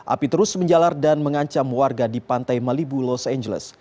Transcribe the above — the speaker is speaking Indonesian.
api terus menjalar dan mengancam warga di pantai malibu los angeles